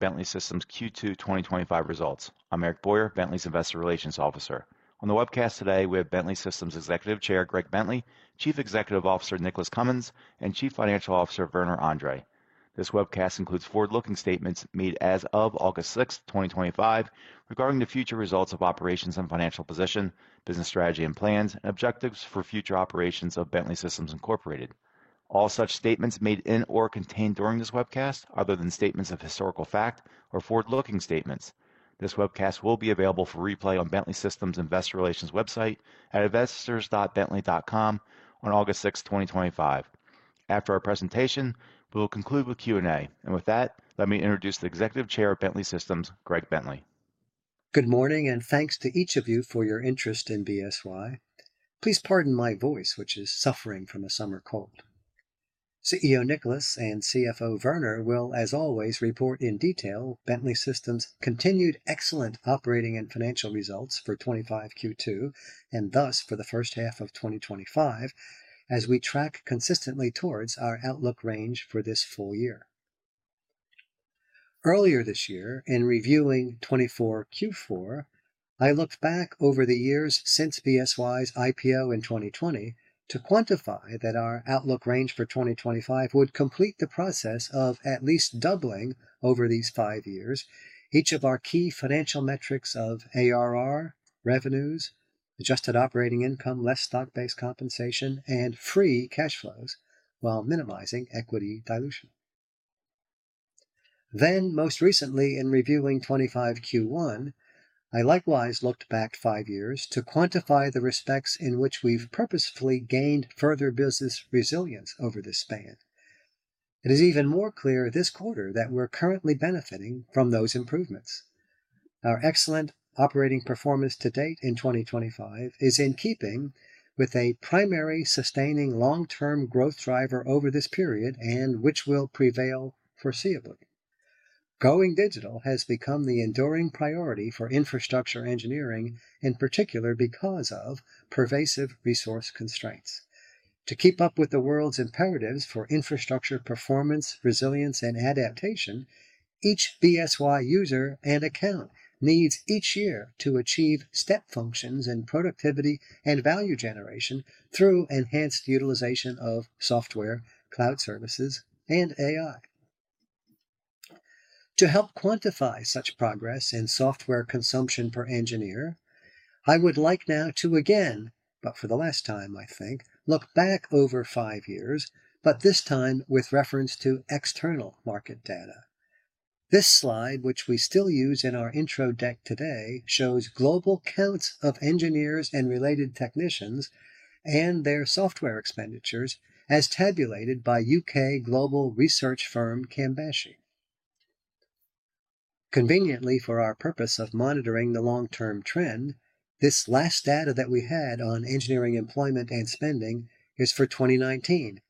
Bentley Systems Q2 2025 results. I'm Eric Boyer, Bentley's Investor Relations Officer. On the webcast today, we have Bentley Systems Executive Chair Greg Bentley, Chief Executive Officer Nicholas Cumins, and Chief Financial Officer Werner Andre. This webcast includes forward-looking statements made as of August 6, 2025, regarding the future results of operations and financial position, business strategy and plans, and objectives for future operations of Bentley Systems Incorporated. All such statements made in or contained during this webcast, other than statements of historical fact, are forward-looking statements. This webcast will be available for replay on Bentley Systems Investor Relations website at investors.bentley.com on August 6, 2025. After our presentation, we will conclude with Q&A. With that, let me introduce the Executive Chair of Bentley Systems, Greg Bentley. Good morning, and thanks to each of you for your interest in BSY. Please pardon my voice, which is suffering from a summer cold. CEO Nicholas and CFO Werner will, as always, report in detail Bentley Systems' continued excellent operating and financial results for 2025 Q2, and thus for the first half of 2025, as we track consistently towards our outlook range for this full year. Earlier this year, in reviewing 2024 Q4, I looked back over the years since BSY's IPO in 2020 to quantify that our outlook range for 2025 would complete the process of at least doubling over these five years, each of our key financial metrics of ARR, revenues, adjusted operating income less stock-based compensation, and free cash flows, while minimizing equity dilution. Most recently, in reviewing 2025 Q1, I likewise looked back five years to quantify the respects in which we've purposefully gained further business resilience over this span. It is even more clear this quarter that we're currently benefiting from those improvements. Our excellent operating performance to date in 2025 is in keeping with a primary sustaining long-term growth driver over this period, which will prevail foreseeably. Going digital has become the enduring priority for infrastructure engineering, in particular because of pervasive resource constraints. To keep up with the world's imperatives for infrastructure performance, resilience, and adaptation, each BSY user and account needs each year to achieve step functions in productivity and value generation through enhanced utilization of software, cloud services, and AI. To help quantify such progress in software consumption per engineer, I would like now to again, but for the last time, I think, look back over five years, but this time with reference to external market data. This slide, which we still use in our intro deck today, shows global counts of engineers and related technicians and their software expenditures as tabulated by U.K. global research firm Cambashi. Conveniently, for our purpose of monitoring the long-term trend, this last data that we had on engineering employment and spending is for 2019,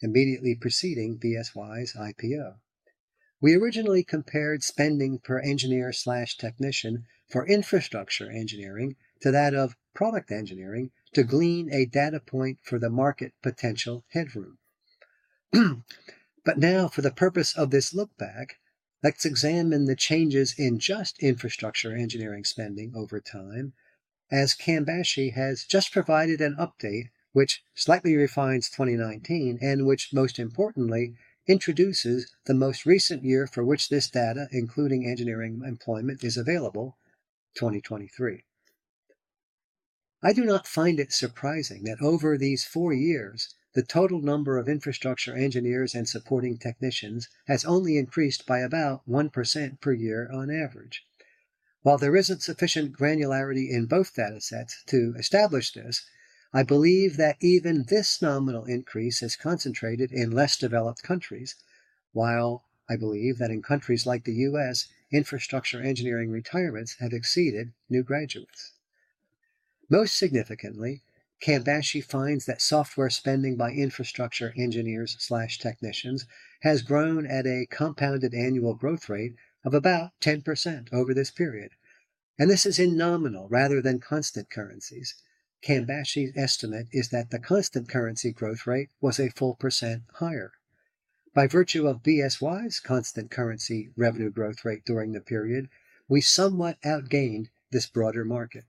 immediately preceding BSY's IPO. We originally compared spending per engineer/technician for infrastructure engineering to that of product engineering to glean a data point for the market potential headroom. For the purpose of this look back, let's examine the changes in just infrastructure engineering spending over time, as Cambashi has just provided an update which slightly refines 2019 and which, most importantly, introduces the most recent year for which this data, including engineering employment, is available: 2023. I do not find it surprising that over these four years, the total number of infrastructure engineers and supporting technicians has only increased by about 1% per year on average. While there isn't sufficient granularity in both data sets to establish this, I believe that even this nominal increase is concentrated in less developed countries, while I believe that in countries like the U.S., infrastructure engineering retirements have exceeded new graduates. Most significantly, Cambashi finds that software spending by infrastructure engineers/technicians has grown at a compounded annual growth rate of about 10% over this period. This is in nominal rather than constant currencies. Cambashi's estimate is that the constant currency growth rate was a full percent higher. By virtue of BSYs' constant currency revenue growth rate during the period, we somewhat outgamed this broader market.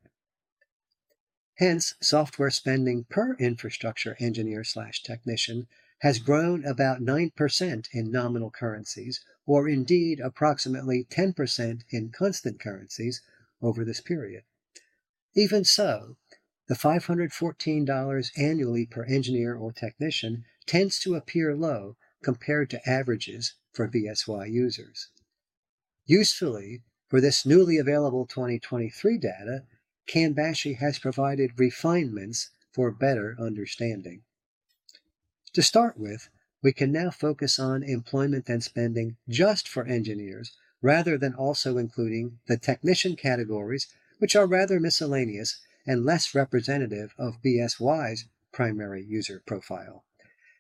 Hence, software spending per infrastructure engineer/technician has grown about 9% in nominal currencies, or indeed approximately 10% in constant currencies over this period. Even so, the $514 annually per engineer or technician tends to appear low compared to averages for BSY users. Usefully, for this newly available 2023 data, Cambashi has provided refinements for better understanding. To start with, we can now focus on employment and spending just for engineers, rather than also including the technician categories, which are rather miscellaneous and less representative of BSY's primary user profile.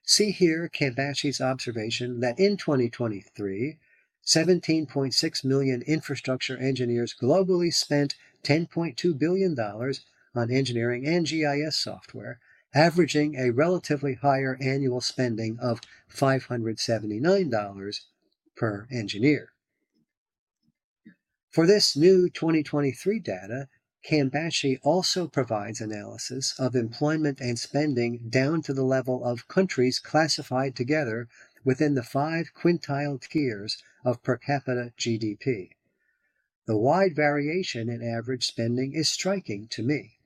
See here Cambashi's observation that in 2023, 17.6 million infrastructure engineers globally spent $10.2 billion on engineering and GIS software, averaging a relatively higher annual spending of $579 per engineer. For this new 2023 data, Cambashi also provides analysis of employment and spending down to the level of countries classified together within the five quintile tiers of per capita GDP. The wide variation in average spending is striking to me.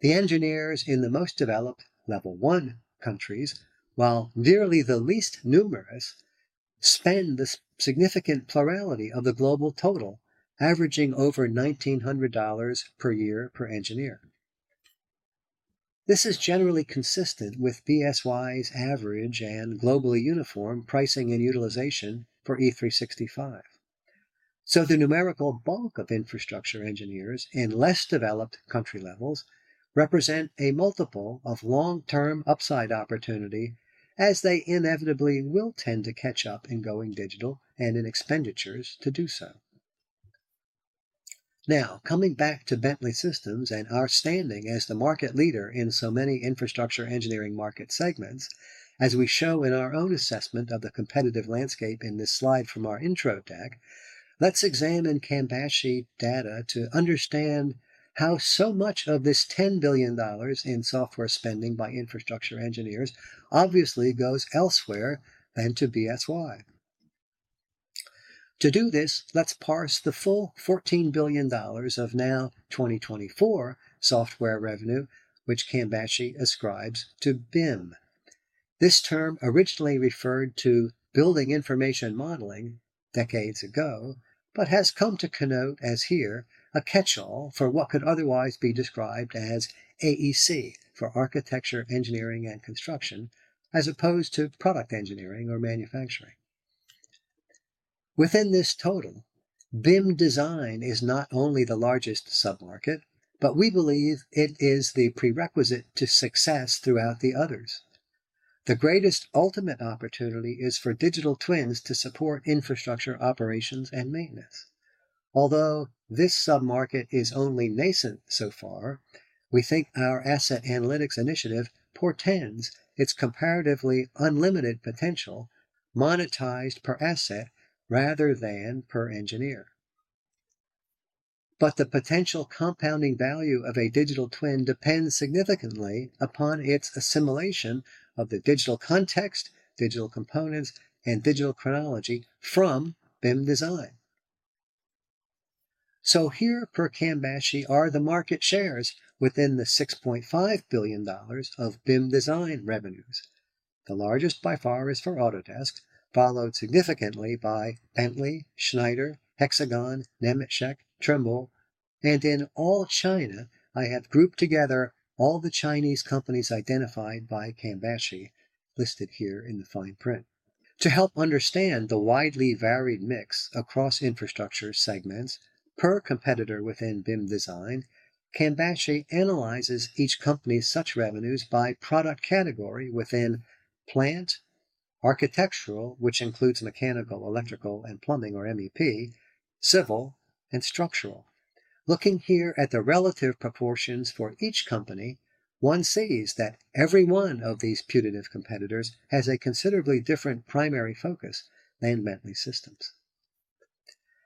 The engineers in the most developed, level one countries, while nearly the least numerous, spend the significant plurality of the global total, averaging over $1,900 per year per engineer. This is generally consistent with BSY's average and globally uniform pricing and utilization for E365. The numerical bulk of infrastructure engineers in less developed country levels represent a multiple of long-term upside opportunity, as they inevitably will tend to catch up in going digital and in expenditures to do so. Now, coming back to Bentley Systems and our standing as the market leader in so many infrastructure engineering market segments, as we show in our own assessment of the competitive landscape in this slide from our intro deck, let's examine Cambashi data to understand how so much of this $10 billion in software spending by infrastructure engineers obviously goes elsewhere than to BSY. To do this, let's parse the full $14 billion of now 2024 software revenue, which Cambashi ascribes to BIM. This term originally referred to building information modeling decades ago, but has come to connote, as here, a catch-all for what could otherwise be described as AEC, for architecture, engineering, and construction, as opposed to product engineering or manufacturing. Within this total, BIM design is not only the largest submarket, but we believe it is the prerequisite to success throughout the others. The greatest ultimate opportunity is for digital twins to support infrastructure operations and maintenance. Although this submarket is only nascent so far, we think our Asset Analytics initiative portends its comparatively unlimited potential, monetized per asset rather than per engineer. The potential compounding value of a digital twin depends significantly upon its assimilation of the digital context, digital components, and digital chronology from BIM design. Here, per Cambashi, are the market shares within the $6.5 billion of BIM design revenues. The largest by far is for Autodesk, followed significantly by Bentley, Schneider Electric, Hexagon, Nemetschek, Trimble, and All China, I have grouped together all the Chinese companies identified by Cambashi, listed here in the fine print. To help understand the widely varied mix across infrastructure segments per competitor within BIM design, Cambashi analyzes each company's such revenues by product category within plant, architectural, which includes mechanical, electrical, and plumbing, or MEP, civil, and structural. Looking here at the relative proportions for each company, one sees that every one of these putative competitors has a considerably different primary focus than Bentley Systems.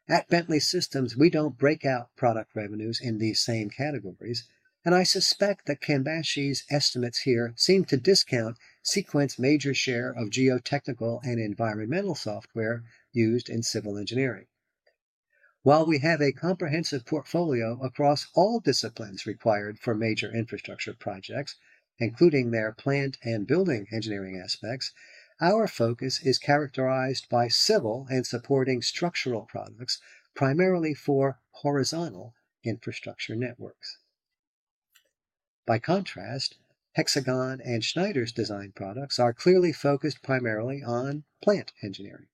At Bentley Systems, we don't break out product revenues in these same categories, and I suspect that Cambashi's estimates here seem to discount Seequent's major share of geotechnical and environmental software used in civil engineering. While we have a comprehensive portfolio across all disciplines required for major infrastructure projects, including their plant and building engineering aspects, our focus is characterized by civil and supporting structural products, primarily for horizontal infrastructure networks. By contrast, Hexagon and Schneider Electric's design products are clearly focused primarily on plant engineering.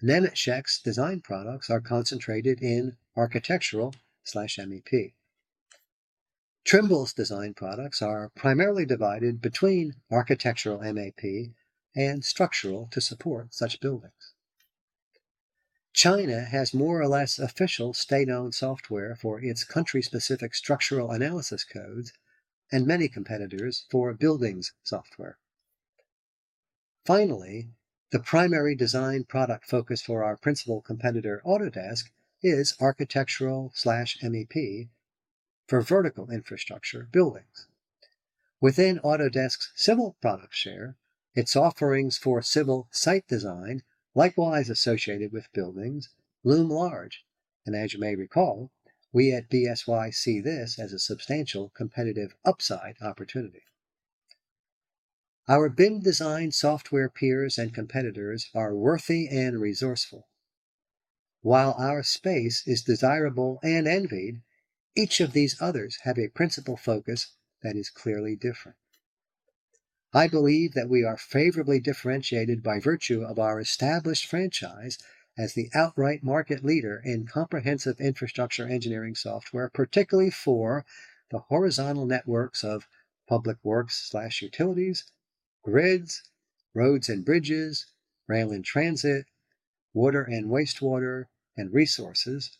Nemetschek's design products are concentrated in architectural/MEP. Trimble's design products are primarily divided between architectural MEP and structural to support such buildings. China has more or less official state-owned software for its country-specific structural analysis codes, and many competitors for buildings software. Finally, the primary design product focus for our principal competitor Autodesk is architectural/MEP for vertical infrastructure buildings. Within Autodesk's civil product share, its offerings for civil site design, likewise associated with buildings, loom large. As you may recall, we at BSY see this as a substantial competitive upside opportunity. Our BIM design software peers and competitors are worthy and resourceful. While our space is desirable and envied, each of these others have a principal focus that is clearly different. I believe that we are favorably differentiated by virtue of our established franchise as the outright market leader in comprehensive infrastructure engineering software, particularly for the horizontal networks of public works/utilities, grids, roads and bridges, rail and transit, water and wastewater and resources,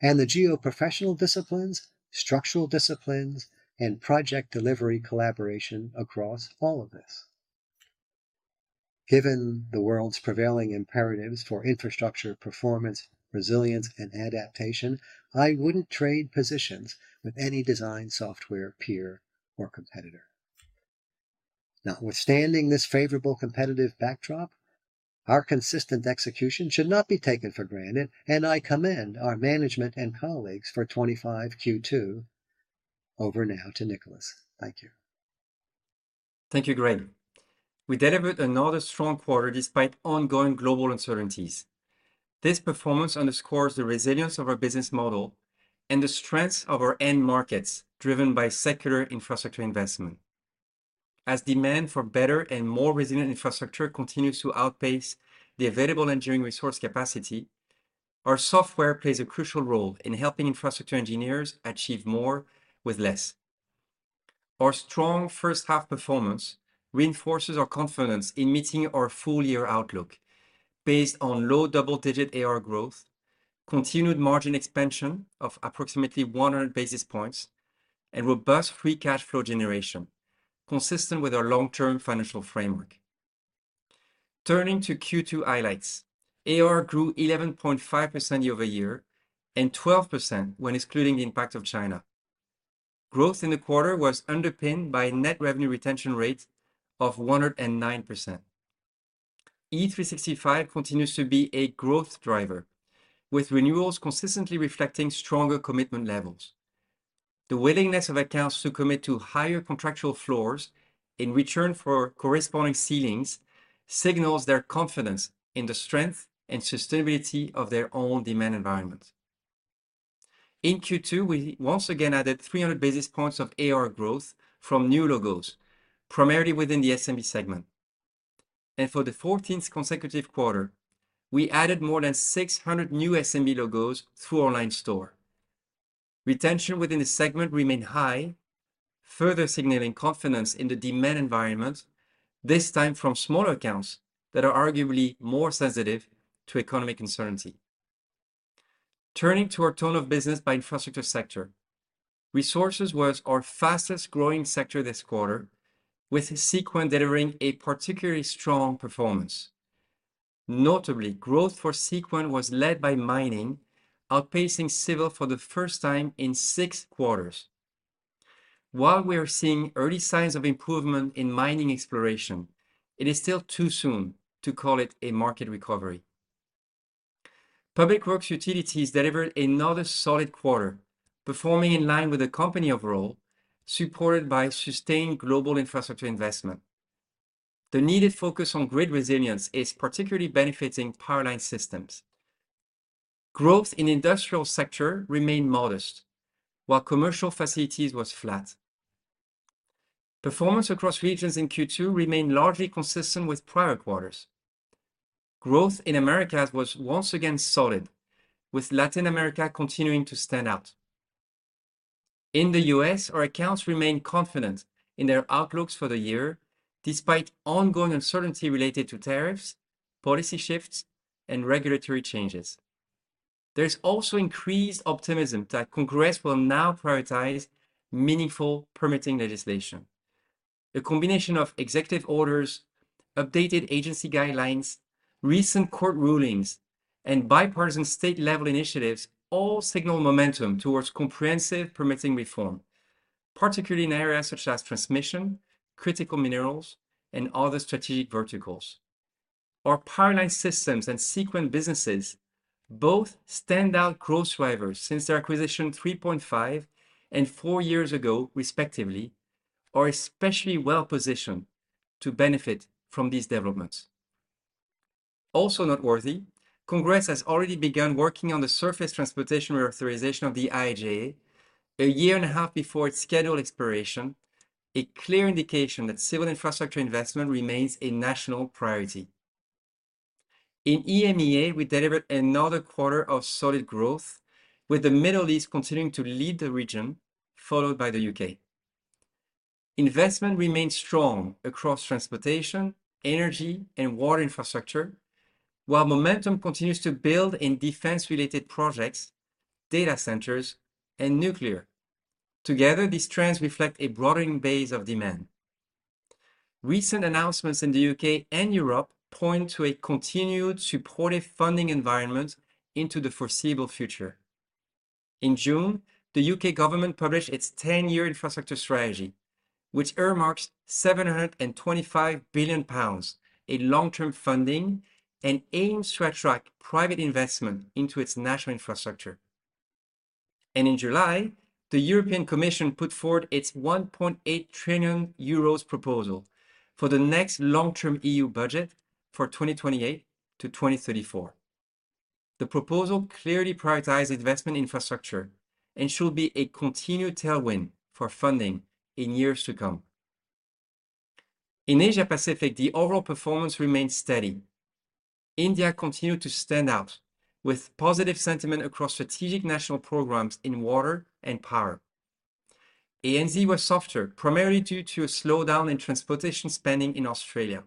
and the geoprofessional disciplines, structural disciplines, and project delivery collaboration across all of this. Given the world's prevailing imperatives for infrastructure performance, resilience, and adaptation, I wouldn't trade positions with any design software peer or competitor. Notwithstanding this favorable competitive backdrop, our consistent execution should not be taken for granted, and I commend our management and colleagues for 2025 Q2. Over now to Nicholas. Thank you. Thank you, Greg. We delivered another strong quarter despite ongoing global uncertainties. This performance underscores the resilience of our business model and the strengths of our end markets driven by secular infrastructure investment. As demand for better and more resilient infrastructure continues to outpace the available engineering resource capacity, our software plays a crucial role in helping infrastructure engineers achieve more with less. Our strong first-half performance reinforces our confidence in meeting our full-year outlook based on low double-digit ARR growth, continued margin expansion of approximately 100 basis points, and robust free cash flow generation, consistent with our long-term financial framework. Turning to Q2 highlights, ARR grew 11.5% year-over-year and 12% when excluding the impact of China. Growth in the quarter was underpinned by a net revenue retention rate of 109%. E365 continues to be a growth driver, with renewals consistently reflecting stronger commitment levels. The willingness of accounts to commit to higher contractual floors in return for corresponding ceilings signals their confidence in the strength and sustainability of their own demand environment. In Q2, we once again added 300 basis points of ARR growth from new logos, primarily within the SMB segment. For the 14th consecutive quarter, we added more than 600 new SMB logos through our line store. Retention within the segment remained high, further signaling confidence in the demand environment, this time from smaller accounts that are arguably more sensitive to economic uncertainty. Turning to our tone of business by infrastructure sector, resources was our fastest growing sector this quarter, with Seequent delivering a particularly strong performance. Notably, growth for Seequent was led by mining, outpacing civil for the first time in six quarters. While we are seeing early signs of improvement in mining exploration, it is still too soon to call it a market recovery. Public works utilities delivered another solid quarter, performing in line with the company overall, supported by sustained global infrastructure investment. The needed focus on grid resilience is particularly benefiting Power Line Systems. Growth in the industrial sector remained modest, while commercial facilities were flat. Performance across regions in Q2 remained largely consistent with prior quarters. Growth in Americas was once again solid, with Latin America continuing to stand out. In the U.S., our accounts remain confident in their outlooks for the year, despite ongoing uncertainty related to tariffs, policy shifts, and regulatory changes. There's also increased optimism that Congress will now prioritize meaningful permitting legislation. The combination of executive orders, updated agency guidelines, recent court rulings, and bipartisan state-level initiatives all signal momentum towards comprehensive permitting reform, particularly in areas such as transmission, critical minerals, and other strategic verticals. Our Power Line Systems and Seequent businesses, both standout growth drivers since their acquisition 3.5 and 4 years ago, respectively, are especially well positioned to benefit from these developments. Also noteworthy, Congress has already begun working on the surface transportation reauthorization of the IIJA, a year and a half before its scheduled expiration, a clear indication that civil infrastructure investment remains a national priority. In EMEA, we delivered another quarter of solid growth, with the Middle East continuing to lead the region, followed by the U.K. Investment remains strong across transportation, energy, and water infrastructure, while momentum continues to build in defense-related projects, data centers, and nuclear. Together, these trends reflect a broadening base of demand. Recent announcements in the U.K. and Europe point to a continued supportive funding environment into the foreseeable future. In June, the U.K. government published its 10-year infrastructure strategy, which earmarks 725 billion pounds in long-term funding, and aims to attract private investment into its national infrastructure. In July, the European Commission put forward its 1.8 trillion euros proposal for the next long-term EU budget for 2028 to 2034. The proposal clearly prioritizes investment in infrastructure and should be a continued tailwind for funding in years to come. In Asia-Pacific, the overall performance remains steady. India continues to stand out with positive sentiment across strategic national programs in water and power. ANZ was softer, primarily due to a slowdown in transportation spending in Australia.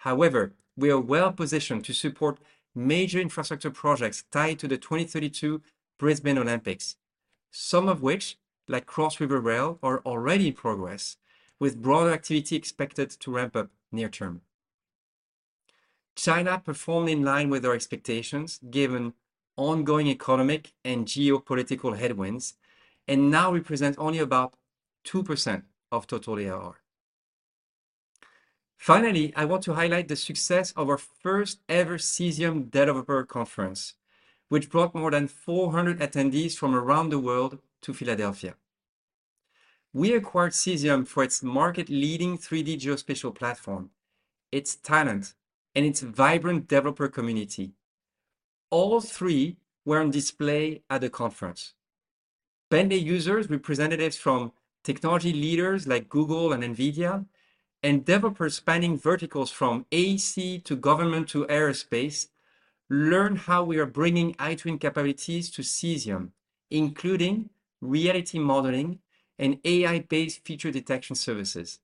However, we are well positioned to support major infrastructure projects tied to the 2032 Brisbane Olympics, some of which, like Cross River Rail, are already in progress, with broader activity expected to ramp up near term. China performed in line with our expectations, given ongoing economic and geopolitical headwinds, and now represents only about 2% of total ARR. I want to highlight the success of our first-ever Cesium Developer Conference, which brought more than 400 attendees from around the world to Philadelphia. We acquired Cesium for its market-leading 3D geospatial platform, its talent, and its vibrant developer community. All three were on display at the conference. Bentley users, representatives from technology leaders like Google and NVIDIA, and developers spanning verticals from AEC to government to aerospace, learned how we are bringing iTwin capabilities to Cesium, including reality modeling and AI-based feature detection services.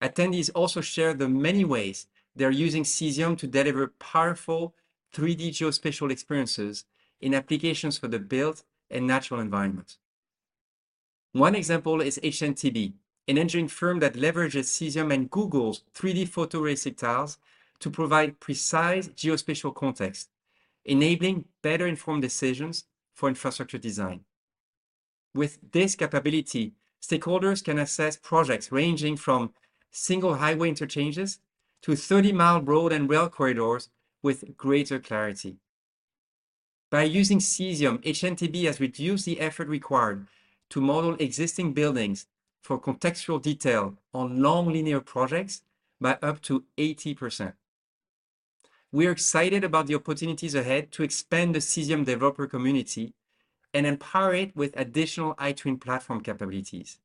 Attendees also shared the many ways they're using Cesium to deliver powerful 3D geospatial experiences in applications for the built and natural environments. One example is HNTB, an engineering firm that leverages Cesium and Google's 3D photorealistic tiles to provide precise geospatial context, enabling better-informed decisions for infrastructure design. With this capability, stakeholders can assess projects ranging from single highway interchanges to 30 mi road and rail corridors with greater clarity. By using Cesium, HNTB has reduced the effort required to model existing buildings for contextual detail on long linear projects by up to 80%. We are excited about the opportunities ahead to expand the Cesium developer community and empower it with additional iTwin platform capabilities.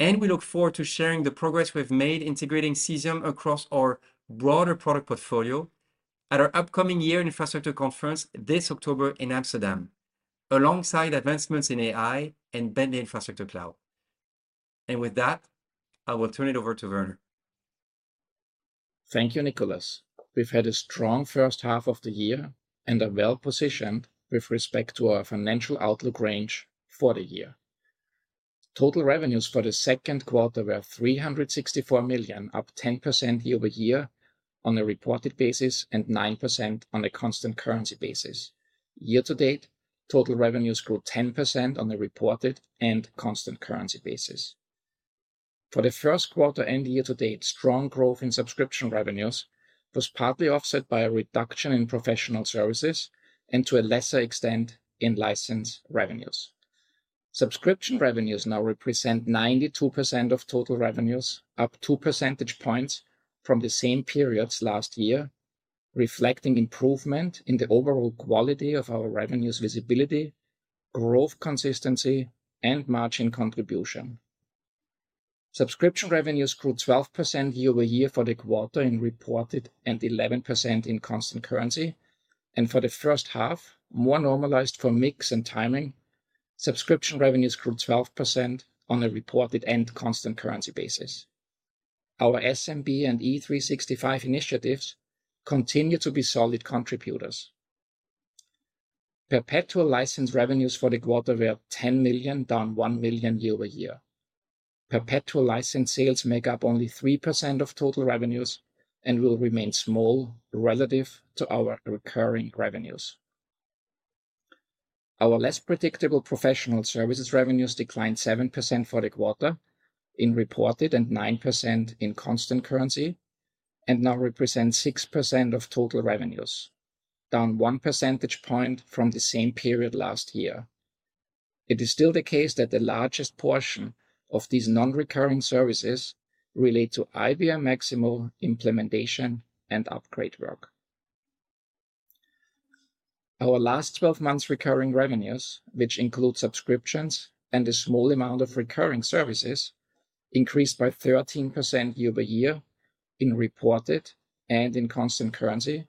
We look forward to sharing the progress we've made integrating Cesium across our broader product portfolio at our upcoming Year in Infrastructure conference this October in Amsterdam, alongside advancements in AI and Bentley Infrastructure Cloud. With that, I will turn it over to Werner. Thank you, Nicholas. We've had a strong first half of the year and are well positioned with respect to our financial outlook range for the year. Total revenues for the second quarter were $364 million, up 10% year-over-year on a reported basis and 9% on a constant currency basis. Year-to-date, total revenues grew 10% on a reported and constant currency basis. For the first quarter and year-to-date, strong growth in subscription revenues was partly offset by a reduction in professional services and to a lesser extent in license revenues. Subscription revenues now represent 92% of total revenues, up two percentage points from the same periods last year, reflecting improvement in the overall quality of our revenues' visibility, growth consistency, and margin contribution. Subscription revenues grew 12% year-over-year for the quarter in reported and 11% in constant currency. For the first half, more normalized for mix and timing, subscription revenues grew 12% on a reported and constant currency basis. Our SMB and E365 initiatives continue to be solid contributors. Perpetual license revenues for the quarter were $10 million, down $1 million year-over-year. Perpetual license sales make up only 3% of total revenues and will remain small relative to our recurring revenues. Our less predictable professional services revenues declined 7% for the quarter in reported and 9% in constant currency and now represent 6% of total revenues, down one percentage point from the same period last year. It is still the case that the largest portion of these non-recurring services relate to IBM Maximo implementation and upgrade work. Our last 12-months' recurring revenues, which include subscriptions and a small amount of recurring services, increased by 13% year-over-year in reported and in constant currency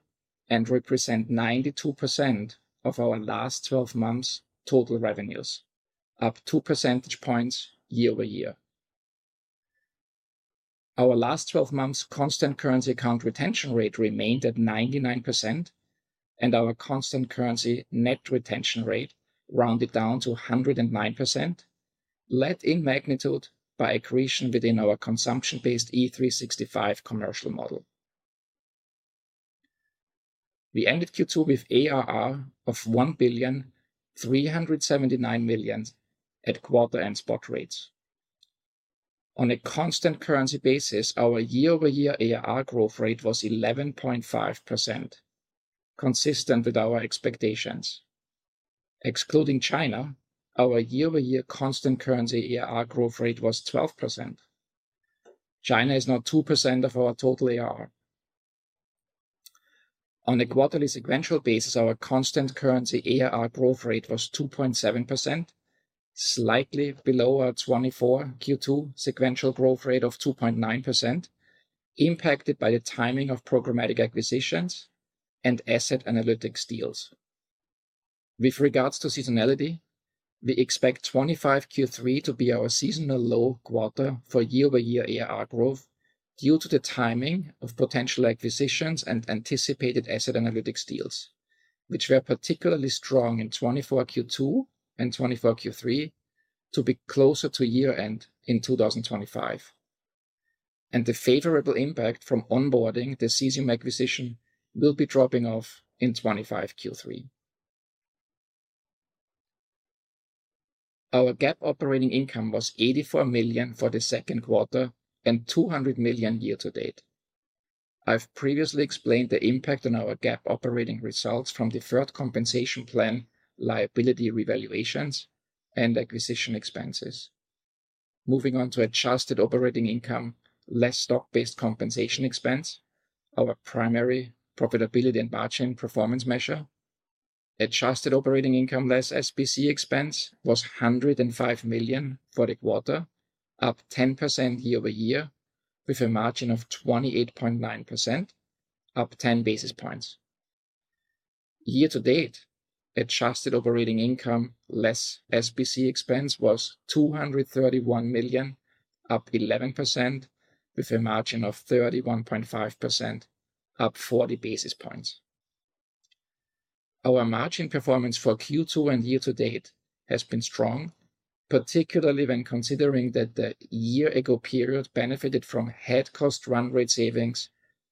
and represent 92% of our last 12-months' total revenues, up two percentage points year-over-year. Our last 12-months' constant currency account retention rate remained at 99%, and our constant currency net retention rate rounded down to 109%, led in magnitude by accretion within our consumption-based E365 commercial model. We ended Q2 with ARR of $1.379 billion at quarter and spot rates. On a constant currency basis, our year-over-year ARR growth rate was 11.5%, consistent with our expectations. Excluding China, our year-over-year constant currency ARR growth rate was 12%. China is now 2% of our total ARR. On a quarterly sequential basis, our constant currency ARR growth rate was 2.7%, slightly below our 2024 Q2 sequential growth rate of 2.9%, impacted by the timing of programmatic acquisitions and Asset Analytics deals. With regards to seasonality, we expect 2025 Q3 to be our seasonal low quarter for year-over-year ARR growth due to the timing of potential acquisitions and anticipated Asset Analytics deals, which were particularly strong in 2024 Q2 and 2024 Q3, to be closer to year-end in 2025. The favorable impact from onboarding the Cesium acquisition will be dropping off in 2025 Q3. Our GAAP operating income was $84 million for the second quarter and $200 million year-to-date. I've previously explained the impact on our GAAP operating results from the third compensation plan, liability revaluations, and acquisition expenses. Moving on to adjusted operating income, less stock-based compensation expense, our primary profitability and margin performance measure, adjusted operating income less SBC expense was $105 million for the quarter, up 10% year-over-year, with a margin of 28.9%, up 10 basis points. year-to-date, adjusted operating income less SBC expense was $231 million, up 11%, with a margin of 31.5%, up 40 basis points. Our margin performance for Q2 and year-to-date has been strong, particularly when considering that the year ago period benefited from headcount run rate savings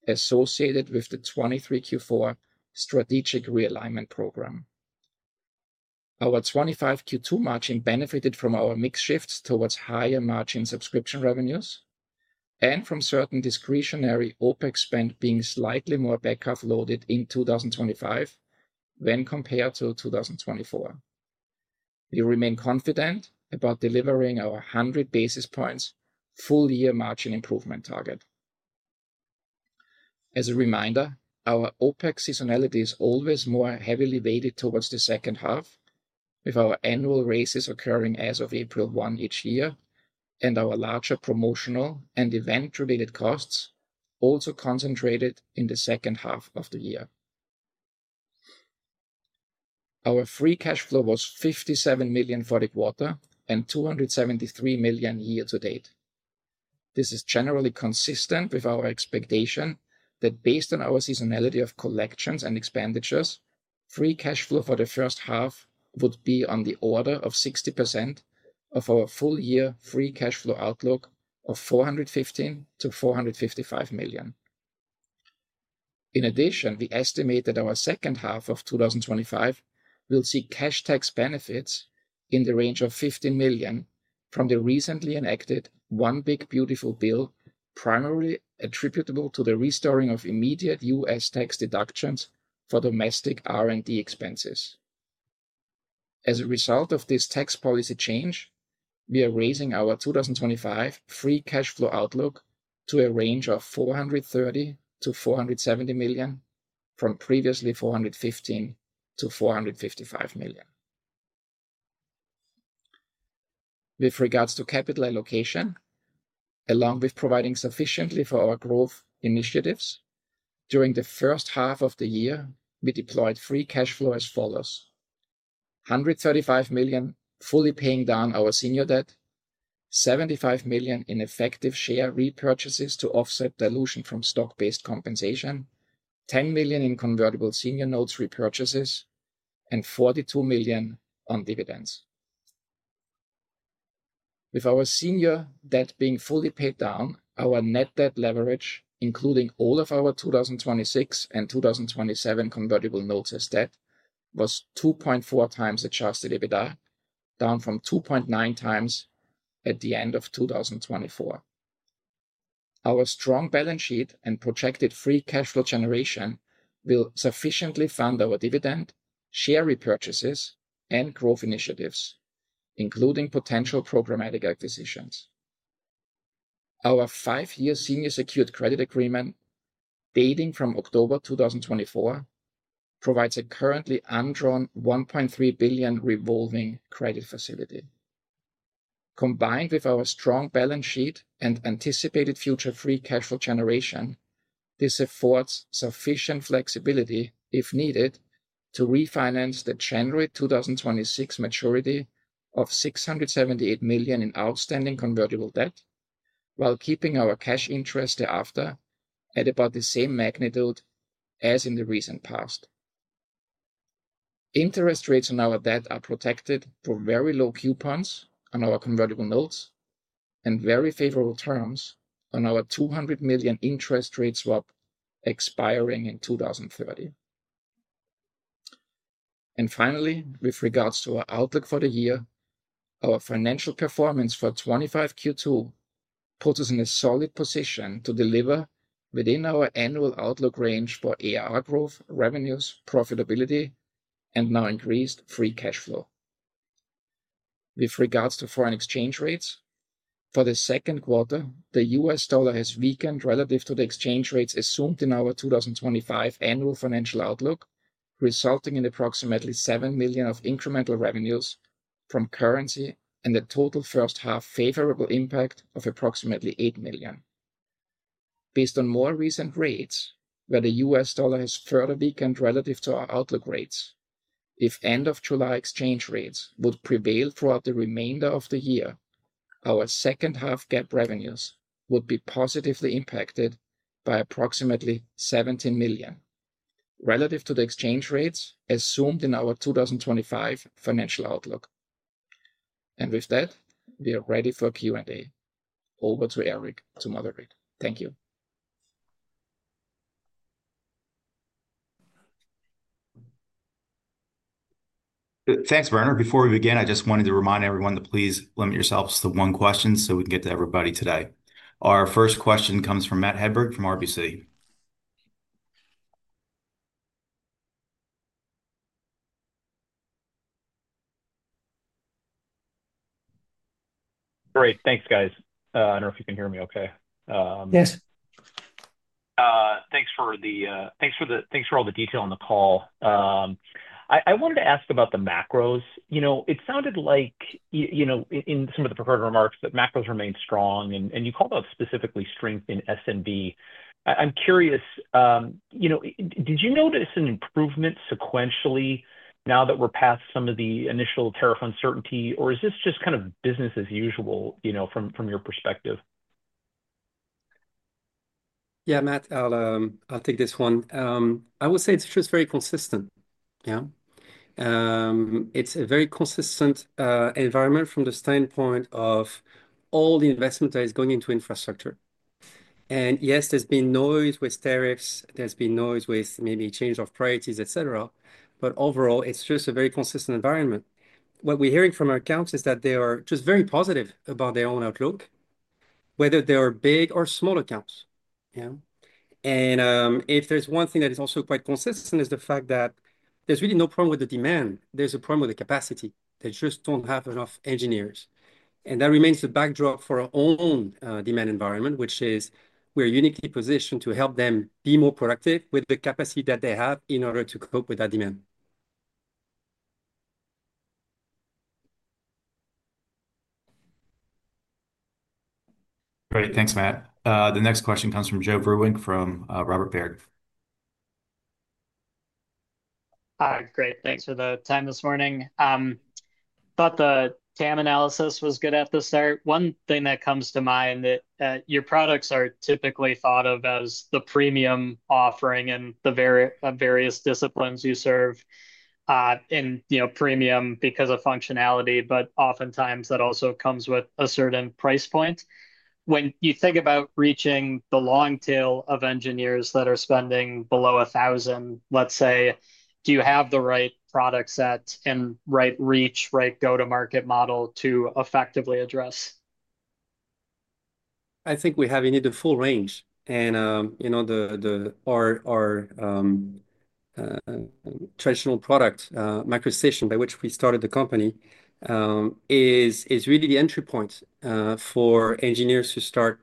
associated with the 2023 Q4 strategic realignment program. Our 2025 Q2 margin benefited from our mix shifts towards higher margin subscription revenues and from certain discretionary OpEx spend being slightly more back-half loaded in 2025 when compared to 2024. We remain confident about delivering our 100 basis points full-year margin improvement target. As a reminder, our OpEx seasonality is always more heavily weighted towards the second half, with our annual raises occurring as of April 1 each year, and our larger promotional and event-related costs also concentrated in the second half of the year. Our free cash flow was $57 million for the quarter and $273 million year-to-date. This is generally consistent with our expectation that based on our seasonality of collections and expenditures, free cash flow for the first half would be on the order of 60% of our full-year free cash flow outlook of $415 million-$455 million. In addition, we estimate that our second half of 2025 will see cash tax benefits in the range of $15 million from the recently enacted One Big Beautiful Bill, primarily attributable to the restoring of immediate U.S. tax deductions for domestic R&D expenses. As a result of this tax policy change, we are raising our 2025 free cash flow outlook to a range of $430 million-$470 million from previously $415 million-$455 million. With regards to capital allocation, along with providing sufficiently for our growth initiatives, during the first half of the year, we deployed free cash flow as follows: $135 million fully paying down our senior debt, $75 million in effective share repurchases to offset dilution from stock-based compensation, $10 million in convertible senior notes repurchases, and $42 million on dividends. With our senior debt being fully paid down, our net debt leverage, including all of our 2026 and 2027 convertible notes debt, was 2.4x adjusted EBITDA, down from 2.9x at the end of 2024. Our strong balance sheet and projected free cash flow generation will sufficiently fund our dividend, share repurchases, and growth initiatives, including potential programmatic acquisitions. Our five-year senior secured credit agreement, dating from October 2024, provides a currently undrawn $1.3 billion revolving credit facility. Combined with our strong balance sheet and anticipated future free cash flow generation, this affords sufficient flexibility, if needed, to refinance the January 2026 maturity of $678 million in outstanding convertible debt, while keeping our cash interest thereafter at about the same magnitude as in the recent past. Interest rates on our debt are protected through very low coupons on our convertible notes and very favorable terms on our $200 million interest rate swap expiring in 2030. Finally, with regards to our outlook for the year, our financial performance for 2025 Q2 puts us in a solid position to deliver within our annual outlook range for ARR growth, revenues, profitability, and now increased free cash flow. With regards to foreign exchange rates, for the second quarter, the U.S. dollar has weakened relative to the exchange rates assumed in our 2025 annual financial outlook, resulting in approximately $7 million of incremental revenues from currency and a total first half favorable impact of approximately $8 million. Based on more recent rates, where the U.S. dollar has further weakened relative to our outlook rates, if end-of-July exchange rates would prevail throughout the remainder of the year, our second half GAAP revenues would be positively impacted by approximately $17 million relative to the exchange rates assumed in our 2025 financial outlook. We are ready for Q&A. Over to Eric to moderate. Thank you. Thanks, Werner. Before we begin, I just wanted to remind everyone to please limit yourselves to one question so we can get to everybody today. Our first question comes from Matt Hedberg from RBC. Great. Thanks, guys. I don't know if you can hear me OK. Yes. Thanks for all the detail on the call. I wanted to ask about the macros. It sounded like, in some of the prepared remarks, that macros remain strong, and you called out specifically strength in SMB. I'm curious, did you notice an improvement sequentially now that we're past some of the initial tariff uncertainty, or is this just kind of business as usual from your perspective? Yeah, Matt, I'll take this one. I will say it's just very consistent. It's a very consistent environment from the standpoint of all the investment that is going into infrastructure. Yes, there's been noise with tariffs, there's been noise with maybe change of priorities, et cetera, but overall, it's just a very consistent environment. What we're hearing from our accounts is that they are just very positive about their own outlook, whether they are big or small accounts. If there's one thing that is also quite consistent, it's the fact that there's really no problem with the demand, there's a problem with the capacity. They just don't have enough engineers. That remains the backdrop for our own demand environment, which is we're uniquely positioned to help them be more productive with the capacity that they have in order to cope with that demand. Great, thanks, Matt. The next question comes from Joe Vruwink from Robert Baird. Hi, great. Thanks for the time this morning. I thought the TAM analysis was good at the start. One thing that comes to mind is that your products are typically thought of as the premium offering in the various disciplines you serve. Premium because of functionality, but oftentimes that also comes with a certain price point. When you think about reaching the long tail of engineers that are spending below $1,000, let's say, do you have the right product set and right reach, right go-to-market model to effectively address? I think we have. You need the full range. Our traditional product, MicroStation, by which we started the company, is really the entry point for engineers who start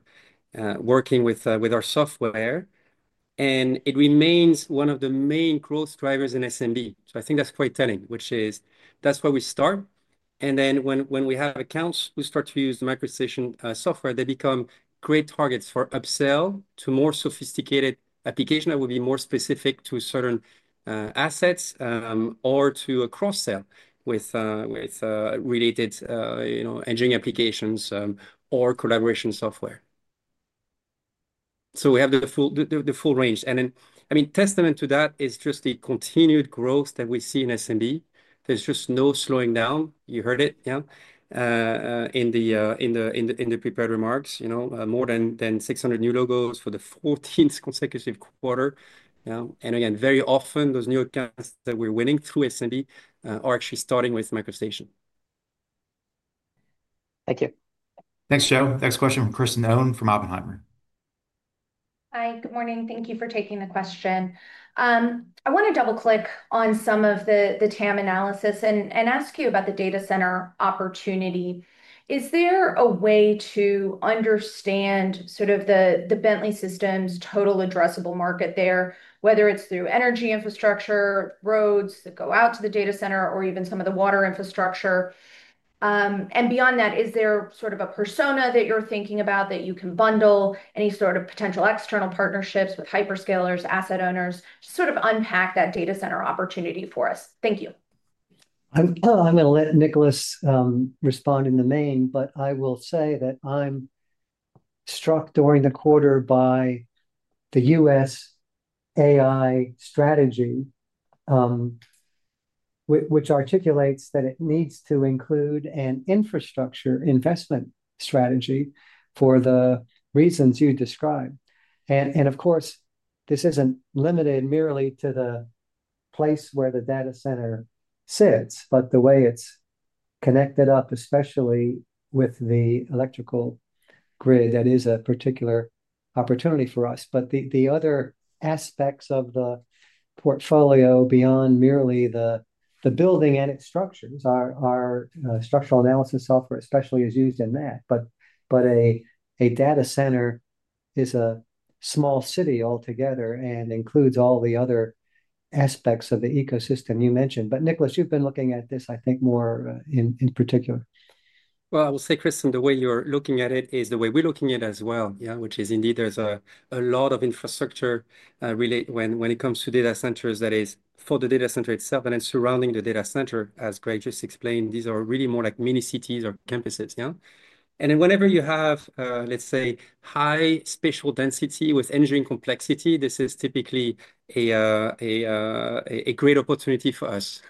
working with our software. It remains one of the main growth drivers in SMB. I think that's quite telling, which is that's where we start. When we have accounts who start to use the MicroStation software, they become great targets for upsell to more sophisticated applications that would be more specific to certain assets or to a cross-sell with related engineering applications or collaboration software. We have the full range. Testament to that is just the continued growth that we see in SMB. There's just no slowing down. You heard it in the prepared remarks, more than 600 new logos for the 14th consecutive quarter. Very often those new accounts that we're winning through SMB are actually starting with MicroStation. Thank you. Thanks, Joe. Next question from Kristen Owen from Oppenheimer. Hi, good morning. Thank you for taking the question. I want to double-click on some of the TAM analysis and ask you about the data center opportunity. Is there a way to understand sort of the Bentley Systems' total addressable market there, whether it's through energy infrastructure, roads that go out to the data center, or even some of the water infrastructure? Beyond that, is there sort of a persona that you're thinking about that you can bundle, any sort of potential external partnerships with hyperscalers, asset owners? Just sort of unpack that data center opportunity for us. Thank you. I'm going to let Nicholas respond in the main, but I will say that I'm struck during the quarter by the U.S. AI strategy, which articulates that it needs to include an infrastructure investment strategy for the reasons you described. Of course, this isn't limited merely to the place where the data center sits, but the way it's connected up, especially with the electrical grid. That is a particular opportunity for us. The other aspects of the portfolio beyond merely the building and its structures, our structural analysis software especially is used in that. A data center is a small city altogether and includes all the other aspects of the ecosystem you mentioned. Nicholas, you've been looking at this, I think, more in particular. I will say, Chris, the way you're looking at it is the way we're looking at it as well, which is indeed there's a lot of infrastructure related when it comes to data centers that is for the data center itself and then surrounding the data center, as Greg just explained. These are really more like mini cities or campuses, yeah. Whenever you have, let's say, high spatial density with engineering complexity, this is typically a great opportunity for us.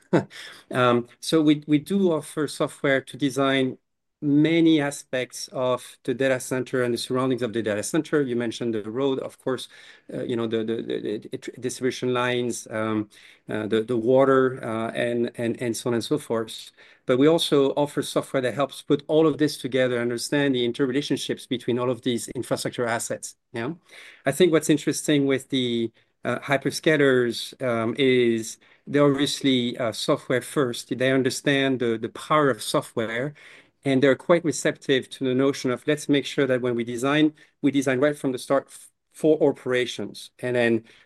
We do offer software to design many aspects of the data center and the surroundings of the data center. You mentioned the road, of course, you know, the distribution lines, the water, and so on and so forth. We also offer software that helps put all of this together, understand the interrelationships between all of these infrastructure assets. I think what's interesting with the hyperscalers is they're obviously software-first. They understand the power of software, and they're quite receptive to the notion of let's make sure that when we design, we design right from the start for operations.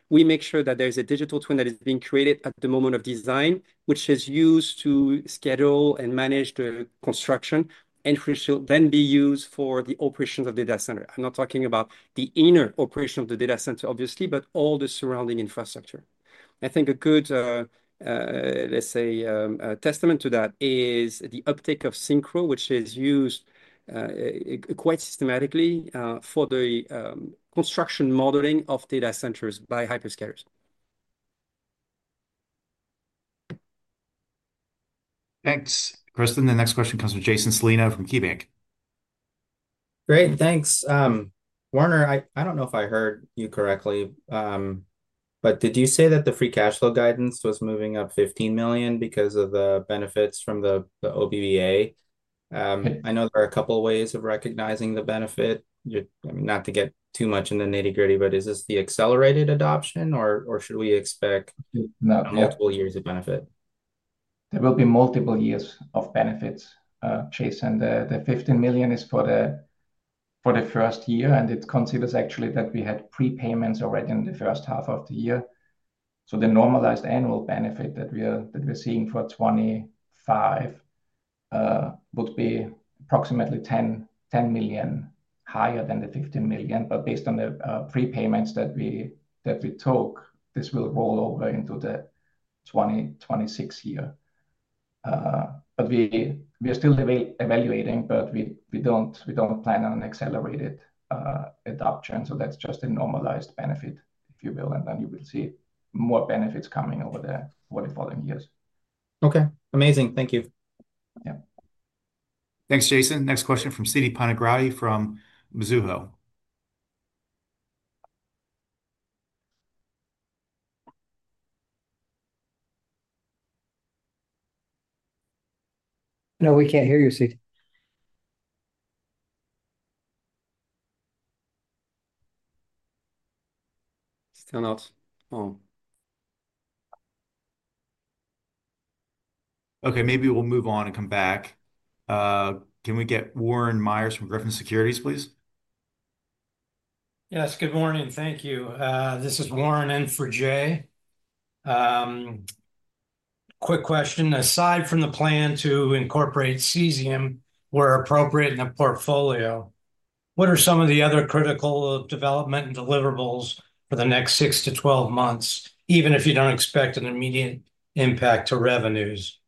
We make sure that there's a digital twin that is being created at the moment of design, which is used to schedule and manage the construction, and which will then be used for the operations of the data center. I'm not talking about the inner operation of the data center, obviously, but all the surrounding infrastructure. I think a good, let's say, testament to that is the uptake of SYNCHRO, which is used quite systematically for the construction modeling of data centers by hyperscalers. Thanks, Kristen. The next question comes from Jason Celino from KeyBanc. Great, thanks. Werner, I don't know if I heard you correctly, but did you say that the free cash flow guidance was moving up $15 million because of the benefits from the OBBA? I know there are a couple of ways of recognizing the benefit. I mean, not to get too much in the nitty-gritty, but is this the accelerated adoption, or should we expect multiple years of benefit? There will be multiple years of benefits. Jason, the $15 million is for the first year, and it considers actually that we had prepayments already in the first half of the year. The normalized annual benefit that we're seeing for 2025 would be approximately $10 million higher than the $15 million. Based on the prepayments that we took, this will roll over into the 2026 year. We are still evaluating, but we don't plan on an accelerated adoption. That's just a normalized benefit, if you will. You will see more benefits coming over the following years. OK, amazing. Thank you. Thanks, Jason. Next question from Siti Panigrahi from Mizuho. No, we can't hear you, Siti. Still not on. OK, maybe we'll move on and come back. Can we get Warren Myers from Griffin Securities, please? Yes, good morning. Thank you. This is Warren in for Jay. Quick question. Aside from the plan to incorporate Cesium where appropriate in a portfolio, what are some of the other critical development and deliverables for the next 6 to 12 months, even if you don't expect an immediate impact to revenues?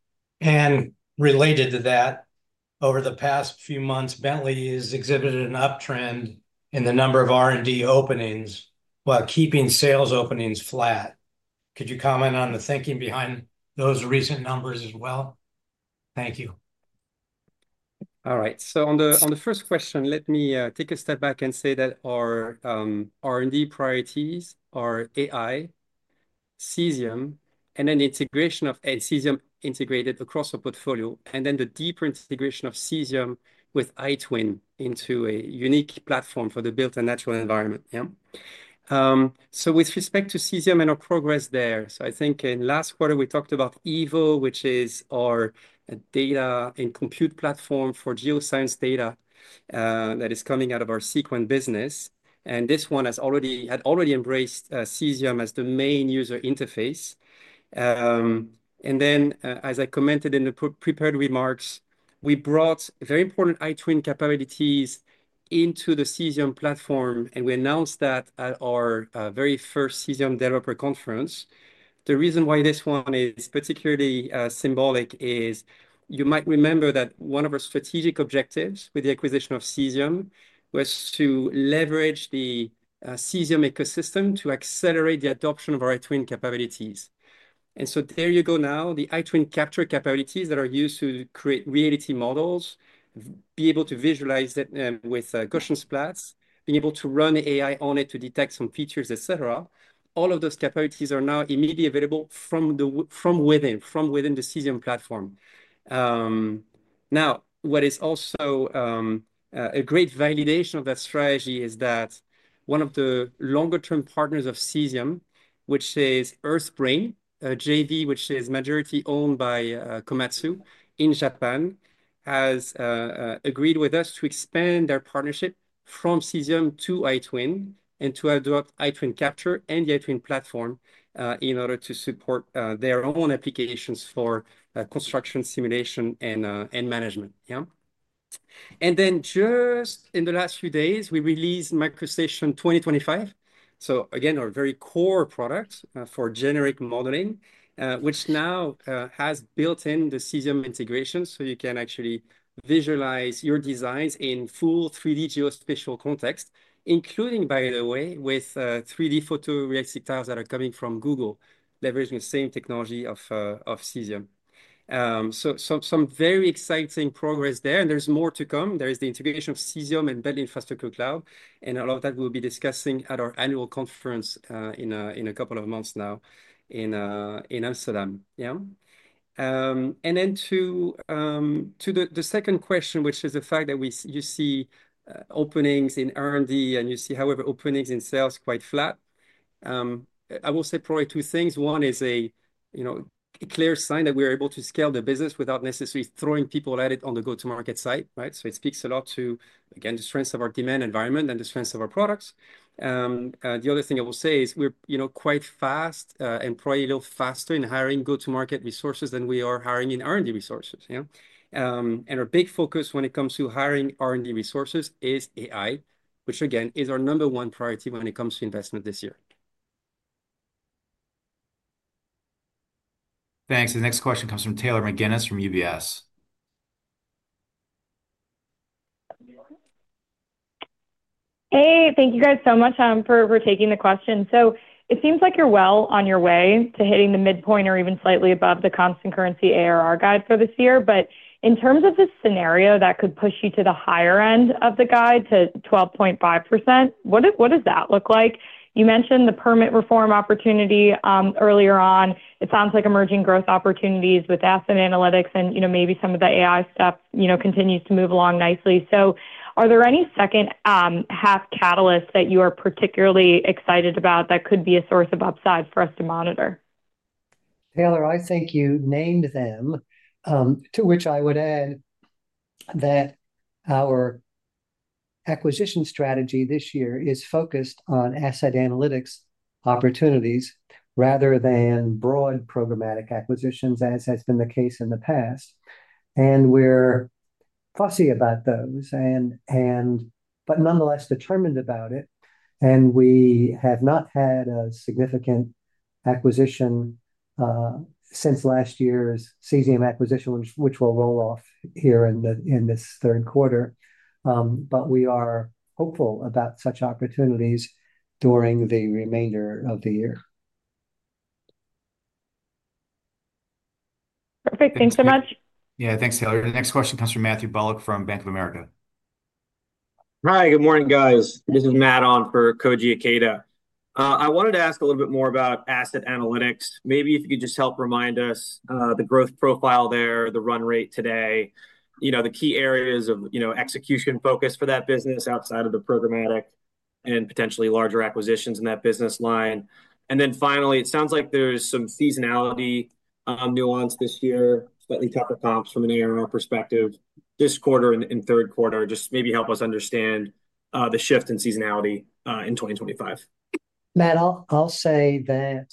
Related to that, over the past few months, Bentley has exhibited an uptrend in the number of R&D openings while keeping sales openings flat. Could you comment on the thinking behind those recent numbers as well? Thank you. All right. On the first question, let me take a step back and say that our R&D priorities are AI, Cesium, and then the integration of Cesium integrated across our portfolio, and then the deeper integration of Cesium with iTwin into a unique platform for the built-in natural environment. With respect to Cesium and our progress there, I think in the last quarter we talked about Evo, which is our data and compute platform for geoscience data that is coming out of our Seequent business. This one has already embraced Cesium as the main user interface. As I commented in the prepared remarks, we brought very important iTwin capabilities into the Cesium platform, and we announced that at our very first Cesium developer conference. The reason why this one is particularly symbolic is you might remember that one of our strategic objectives with the acquisition of Cesium was to leverage the Cesium ecosystem to accelerate the adoption of our iTwin capabilities. There you go now, the iTwin capture capabilities that are used to create reality models, be able to visualize it with Gaussian splats, being able to run the AI on it to detect some features, et cetera. All of those capabilities are now immediately available from within the Cesium platform. What is also a great validation of that strategy is that one of the longer-term partners of Cesium, which is Earthbrain, a JV which is majority owned by Komatsu in Japan, has agreed with us to expand their partnership from Cesium to iTwin and to adopt iTwin Capture and the iTwin platform in order to support their own applications for construction simulation and management. In the last few days, we released MicroStation 2025. Our very core product for generic modeling now has built-in the Cesium integration, so you can actually visualize your designs in full 3D geospatial context, including, by the way, with 3D photo reactive tiles that are coming from Google, leveraging the same technology of Cesium. Some very exciting progress there, and there's more to come. There is the integration of Cesium and Bentley Infrastructure Cloud, and a lot of that we'll be discussing at our annual conference in a couple of months in Amsterdam. To the second question, which is the fact that you see openings in R&D and you see, however, openings in sales quite flat. I will say probably two things. One is a clear sign that we are able to scale the business without necessarily throwing people at it on the go-to-market side. It speaks a lot to, again, the strengths of our demand environment and the strengths of our products. The other thing I will say is we're quite fast and probably a little faster in hiring go-to-market resources than we are hiring in R&D resources. Our big focus when it comes to hiring R&D resources is AI, which, again, is our number one priority when it comes to investment this year. Thanks. The next question comes from Taylor McGinnis from UBS. Hey, thank you guys so much for taking the question. It seems like you're well on your way to hitting the midpoint or even slightly above the constant currency ARR guide for this year. In terms of the scenario that could push you to the higher end of the guide to 12.5%, what does that look like? You mentioned the permit reform opportunity earlier on. It sounds like emerging growth opportunities with Asset Analytics and maybe some of the AI stuff continues to move along nicely. Are there any second-half catalysts that you are particularly excited about that could be a source of upside for us to monitor? Taylor, I think you named them, to which I would add that our acquisition strategy this year is focused on Asset Analytics opportunities rather than broad programmatic acquisitions, as has been the case in the past. We're fussy about those, but nonetheless determined about it. We have not had a significant acquisition since last year's Cesium acquisition, which will roll off here in this third quarter. We are hopeful about such opportunities during the remainder of the year. Perfect. Thanks so much. Yeah, thanks, Taylor. The next question comes from Matthew Bullock from Bank of America. Hi, good morning, guys. This is Matt on for Koji Ikeda. I wanted to ask a little bit more about Asset Analytics. Maybe if you could just help remind us the growth profile there, the run rate today, you know, the key areas of execution focus for that business outside of the programmatic and potentially larger acquisitions in that business line. Finally, it sounds like there's some seasonality nuance this year, slightly tougher comps from an ARR perspective. This quarter and third quarter, just maybe help us understand the shift in seasonality in 2025. Matt, I'll say that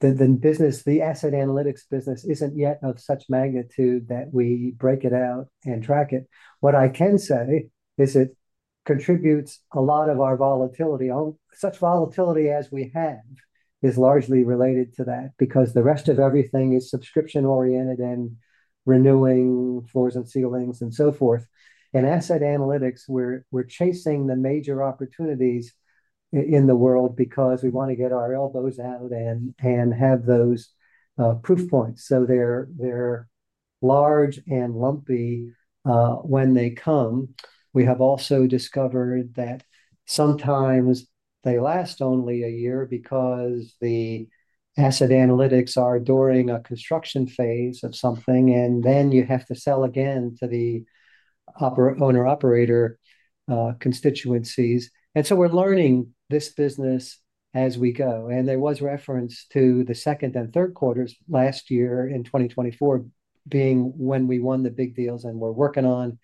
the business, the Asset Analytics business, isn't yet of such magnitude that we break it out and track it. What I can say is it contributes a lot of our volatility. Such volatility as we have is largely related to that because the rest of everything is subscription-oriented and renewing floors and ceilings and so forth. In Asset Analytics, we're chasing the major opportunities in the world because we want to get our elbows out and have those proof points. They're large and lumpy when they come. We have also discovered that sometimes they last only a year because the Asset Analytics are during a construction phase of something, and then you have to sell again to the owner-operator constituencies. We're learning this business as we go. There was reference to the second and third quarters last year in 2024 being when we won the big deals and we're working on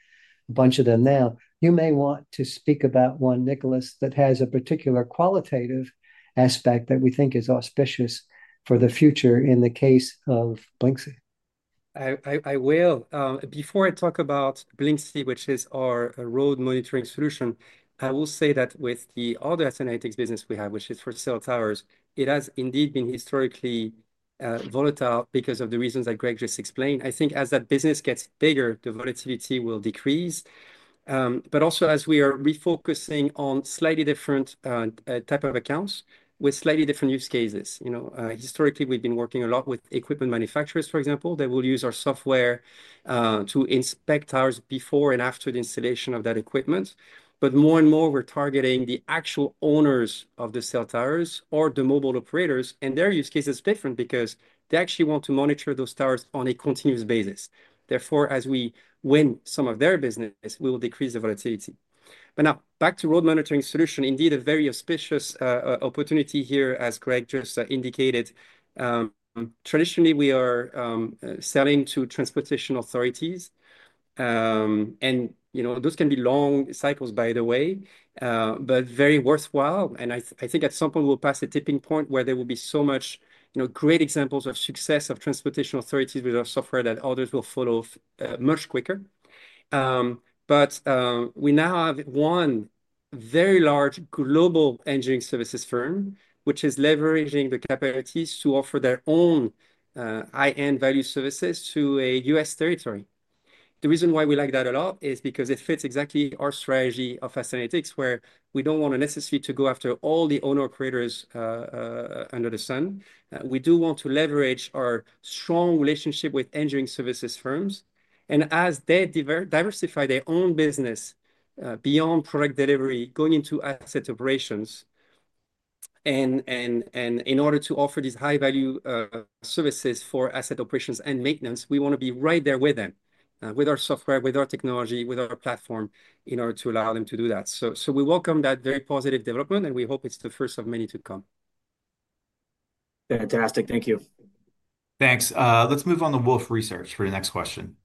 a bunch of them now. You may want to speak about one, Nicholas, that has a particular qualitative aspect that we think is auspicious for the future in the case of Blyncsy. I will. Before I talk about Blyncsy, which is our road monitoring solution, I will say that with the other Asset Analytics business we have, which is for cell towers, it has indeed been historically volatile because of the reasons that Greg just explained. I think as that business gets bigger, the volatility will decrease, also as we are refocusing on slightly different types of accounts with slightly different use cases. You know, historically, we've been working a lot with equipment manufacturers, for example, that will use our software to inspect towers before and after the installation of that equipment. More and more, we're targeting the actual owners of the cell towers or the mobile operators, and their use case is different because they actually want to monitor those towers on a continuous basis. Therefore, as we win some of their business, we will decrease the volatility. Now, back to road monitoring solution, indeed a very auspicious opportunity here, as Greg just indicated. Traditionally, we are selling to transportation authorities. Those can be long cycles, by the way, but very worthwhile. I think at some point, we'll pass a tipping point where there will be so many great examples of success of transportation authorities with our software that others will follow much quicker. We now have one very large global engineering services firm, which is leveraging the capabilities to offer their own high-end value services to a U.S. territory. The reason why we like that a lot is because it fits exactly our strategy of Asset Analytics, where we don't want to necessarily go after all the owner-operators under the sun. We do want to leverage our strong relationship with engineering services firms. As they diversify their own business beyond product delivery, going into asset operations, and in order to offer these high-value services for asset operations and maintenance, we want to be right there with them, with our software, with our technology, with our platform in order to allow them to do that. We welcome that very positive development, and we hope it's the first of many to come. Fantastic. Thank you. Thanks. Let's move on to Wolfe Research for the next question.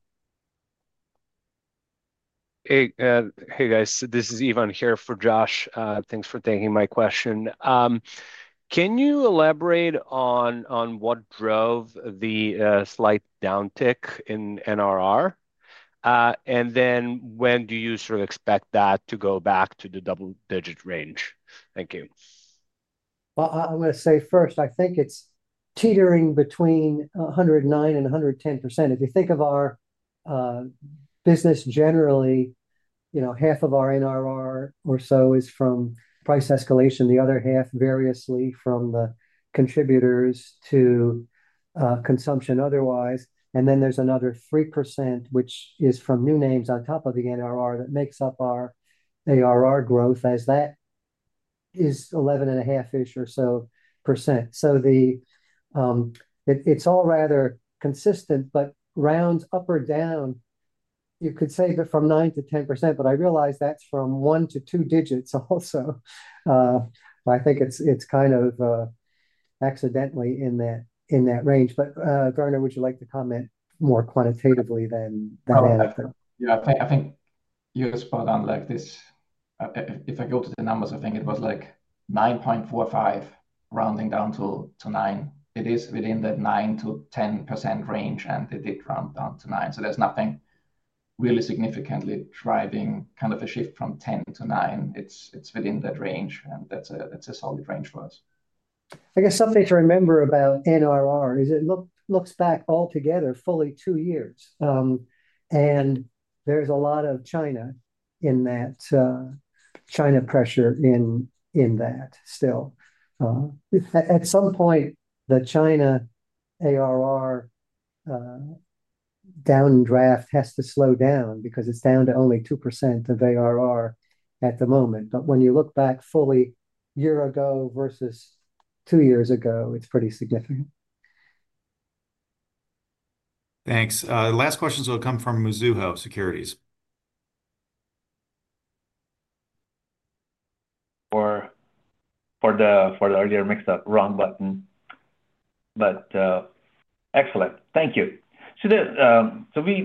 Hey, guys. This is Ivan here for Josh. Thanks for taking my question. Can you elaborate on what drove the slight downtick in NRR? When do you sort of expect that to go back to the double-digit range? Thank you. I think it's teetering between 109% and 110%. If you think of our business generally, you know, half of our NRR or so is from price escalation, the other half variously from the contributors to consumption otherwise. Then there's another 3%, which is from new names on top of the NRR that makes up our ARR growth, as that is 11.5% or so. It's all rather consistent, but rounds up or down, you could say they're from 9%-10%, but I realize that's from one to two digits also. I think it's kind of accidentally in that range. Werner, would you like to comment more quantitatively than that answer? Yeah, I think you're spot on. If I go to the numbers, I think it was like 9.45% rounding down to 9%. It is within that 9%-10% range, and it did round down to 9. There's nothing really significantly driving kind of a shift from 10% to 9%. It's within that range, and that's a solid range for us. I guess something to remember about NRR is it looks back altogether fully two years. There's a lot of China in that, China pressure in that still. At some point, the China ARR down draft has to slow down because it's down to only 2% of ARR at the moment. When you look back fully a year ago versus two years ago, it's pretty significant. Thanks. Last questions will come from Mizuho. Thank you.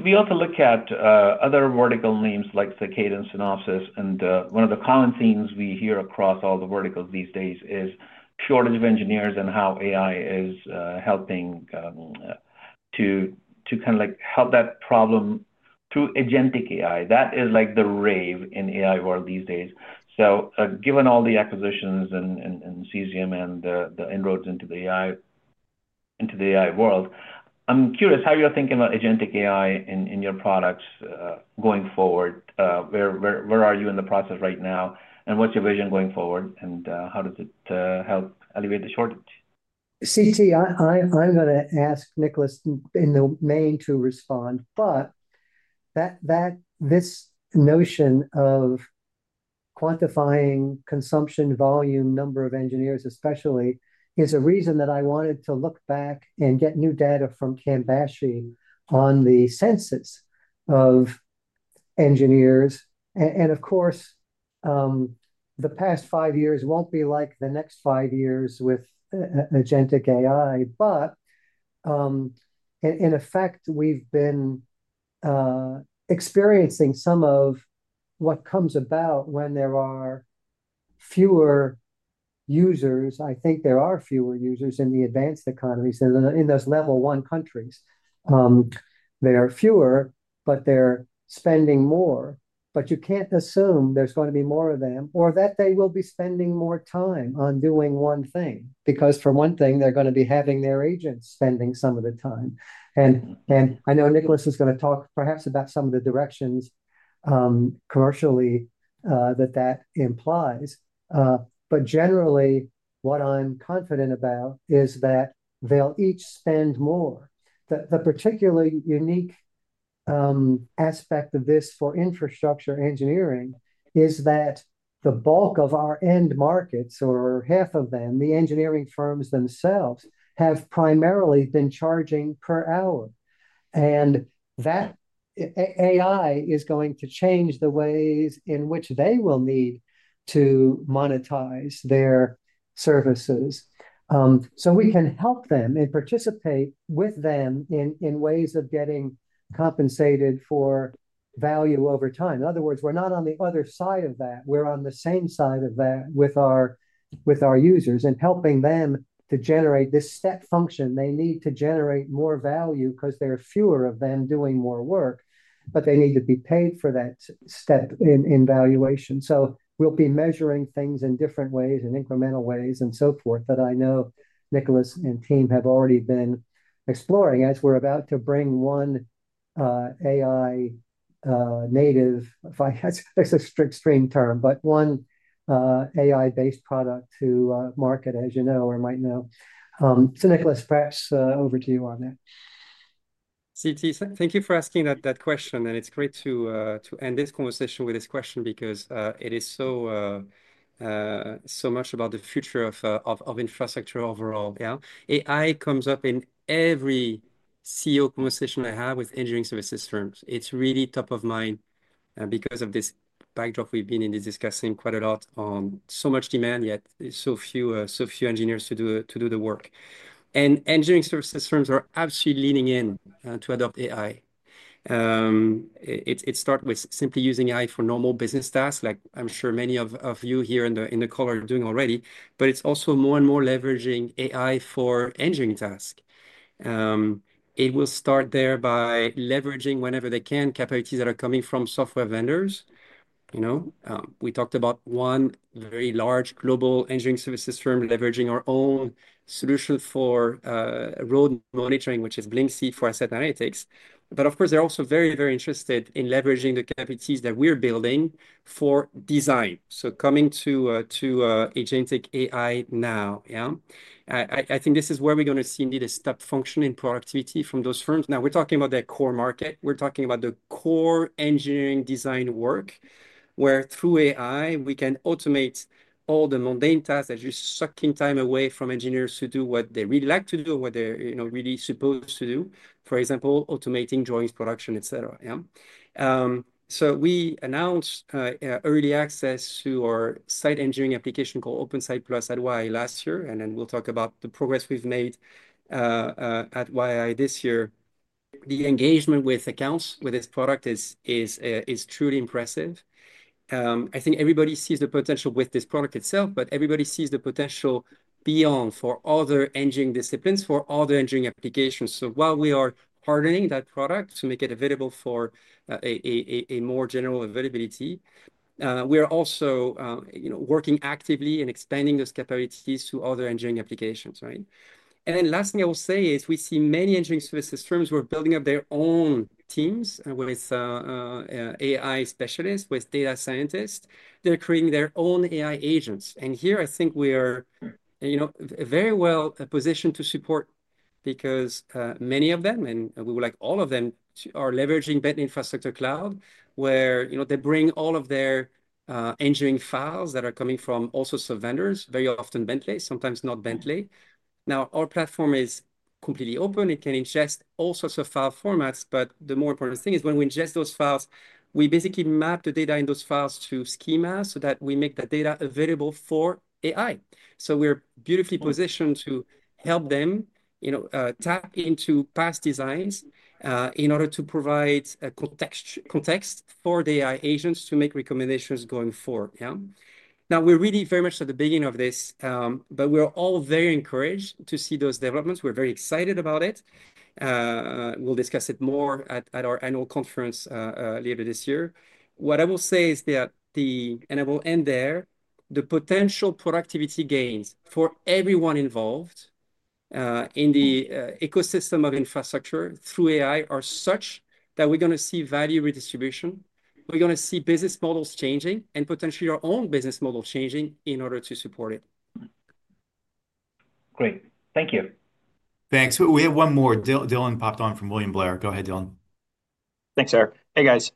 We also look at other vertical names like Cadence, Synopsys. One of the common themes we hear across all the verticals these days is shortage of engineers and how AI is helping to kind of help that problem through agentic AI. That is like the rave in the AI world these days. Given all the acquisitions in Cesium and the inroads into the AI world, I'm curious how you're thinking about agentic AI in your products going forward. Where are you in the process right now? What's your vision going forward? How does it help alleviate the shortage? Siti, I'm going to ask Nicholas in the main to respond. This notion of quantifying consumption volume, number of engineers especially, is a reason that I wanted to look back and get new data from Cambashi on the census of engineers. Of course, the past five years won't be like the next five years with agentic AI. In effect, we've been experiencing some of what comes about when there are fewer users. I think there are fewer users in the advanced economies in those level one countries. There are fewer, but they're spending more. You can't assume there's going to be more of them or that they will be spending more time on doing one thing. For one thing, they're going to be having their agents spending some of the time. I know Nicholas is going to talk perhaps about some of the directions commercially that that implies. Generally, what I'm confident about is that they'll each spend more. The particularly unique aspect of this for infrastructure engineering is that the bulk of our end markets, or half of them, the engineering services firms themselves have primarily been charging per hour. AI is going to change the ways in which they will need to monetize their services. We can help them and participate with them in ways of getting compensated for value over time. In other words, we're not on the other side of that. We're on the same side of that with our users and helping them to generate this step function. They need to generate more value because there are fewer of them doing more work. They need to be paid for that step in valuation. We'll be measuring things in different ways, in incremental ways, and so forth that I know Nicholas and team have already been exploring as we're about to bring one AI native, if I guess that's an extreme term, but one AI-based product to market, as you know or might know. Nicholas, perhaps over to you on that. Siti, thank you for asking that question. It's great to end this conversation with this question because it is so much about the future of infrastructure overall. AI comes up in every CEO conversation I have with engineering services firms. It's really top of mind because of this backdrop we've been in discussing quite a lot on so much demand, yet so few engineers to do the work. Engineering services firms are absolutely leaning in to adopt AI. It starts with simply using AI for normal business tasks, like I'm sure many of you here in the call are doing already. It's also more and more leveraging AI for engineering tasks. It will start there by leveraging whenever they can capabilities that are coming from software vendors. We talked about one very large global engineering services firm leveraging our own solution for road monitoring, which is Blyncsy for asset analytics. Of course, they're also very, very interested in leveraging the capabilities that we're building for design. Coming to agentic AI now, I think this is where we're going to see indeed a step function in productivity from those firms. We're talking about their core market. We're talking about the core engineering design work, where through AI, we can automate all the mundane tasks that are just sucking time away from engineers to do what they really like to do, what they're really supposed to do. For example, automating drawings, production, etc. We announced early access to our site engineering application called OpenSite+ at YII last year. We'll talk about the progress we've made at YII this year. The engagement with accounts with this product is truly impressive. I think everybody sees the potential with this product itself, but everybody sees the potential beyond for other engineering disciplines, for other engineering applications. While we are hardening that product to make it available for a more general availability, we are also working actively in expanding those capabilities to other engineering applications. The last thing I will say is we see many engineering services firms who are building up their own teams with AI specialists, with data scientists. They're creating their own AI agents. I think we are very well positioned to support because many of them, and we would like all of them, are leveraging Bentley Infrastructure Cloud, where they bring all of their engineering files that are coming from all sorts of vendors, very often Bentley, sometimes not Bentley. Our platform is completely open. It can ingest all sorts of file formats. The more important thing is when we ingest those files, we basically map the data in those files to schemas so that we make that data available for AI. We're beautifully positioned to help them tap into past designs in order to provide a context for the AI agents to make recommendations going forward. We're really very much at the beginning of this, but we're all very encouraged to see those developments. We're very excited about it. We'll discuss it more at our annual conference later this year. What I will say is that, and I will end there, the potential productivity gains for everyone involved in the ecosystem of infrastructure through AI are such that we're going to see value redistribution. We're going to see business models changing and potentially our own business model changing in order to support it. Great, thank you. Thanks. We have one more. Dylan popped on from William Blair. Go ahead, Dylan. Thanks, sir. Hey, guys.